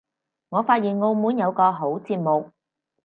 我發現澳門有個好節目